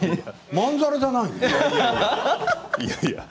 まんざらじゃないね。